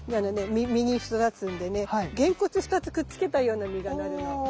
実に育つんでねげんこつ２つくっつけたような実がなるの。